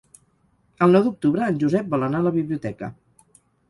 El nou d'octubre en Josep vol anar a la biblioteca.